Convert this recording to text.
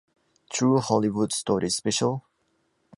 True Hollywood Story special.